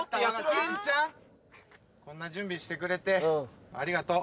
ケンちゃんこんな準備してくれてありがとう。